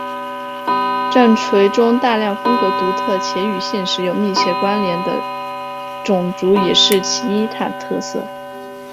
战锤中大量风格独特且与现实有密切关联的种族也是其一大特色。